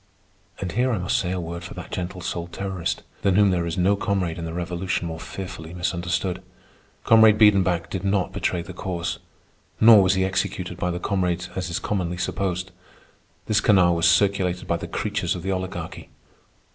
And here I must say a word for that gentle souled terrorist, than whom there is no comrade in the Revolution more fearfully misunderstood. Comrade Biedenbach did not betray the Cause. Nor was he executed by the comrades as is commonly supposed. This canard was circulated by the creatures of the Oligarchy.